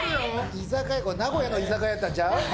居酒屋、これ、名古屋の居酒屋やったんちゃう？